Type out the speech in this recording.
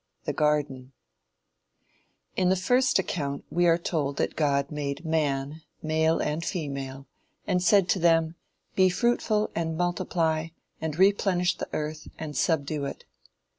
THE GARDEN In the first account we are told that God made man, male and female, and said to them "Be fruitful, and multiply, and replenish the earth and subdue it."